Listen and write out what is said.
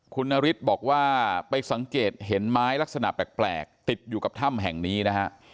คุณนฤทธิ์บอกว่าไปสังเกตเห็นไม้ลักษณะแปลกติดอยู่กับถ้ำแห่งนี้นะฮะ